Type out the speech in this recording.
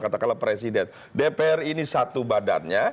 katakanlah presiden dpr ini satu badannya